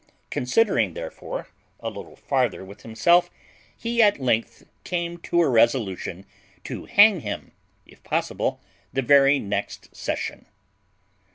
Considering, therefore, a little farther with himself, he at length came to a resolution to hang him, if possible, the very next session.